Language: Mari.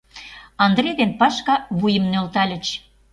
— Андрей ден Пашка вуйым нӧлтальыч.